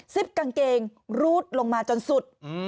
กางเกงรูดลงมาจนสุด